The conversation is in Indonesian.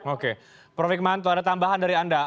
oke prof hikmahanto ada tambahan dari anda